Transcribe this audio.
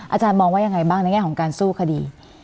อาจารย์มองว่ายังไงบ้างในแง่ของการสู้คดี